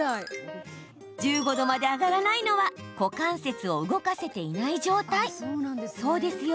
１５度まで上がらないのは股関節を動かせていない状態。